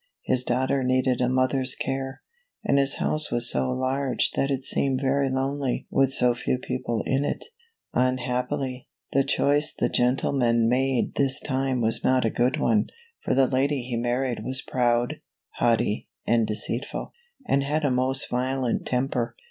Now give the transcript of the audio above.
His daughter needed a mothers care, and his house was so large that it seemed very lonely with so few people in it. Unhappily, the choice the gentleman made this time was not a good one, for the lady he married was proud, haughty, and deceitful, and had a most violent temper.